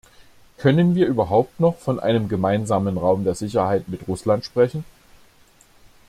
Können wir überhaupt noch von einem gemeinsamen Raum der Sicherheit mit Russland sprechen?